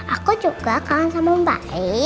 aku juga kangen sama om baik